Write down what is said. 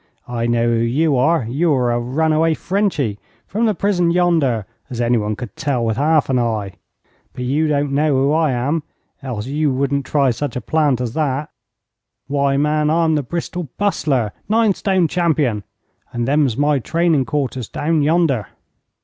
I know who you are. You're a runaway Frenchy, from the prison yonder, as anyone could tell with half an eye. But you don't know who I am, else you wouldn't try such a plant as that. Why, man, I'm the Bristol Bustler, nine stone champion, and them's my training quarters down yonder.'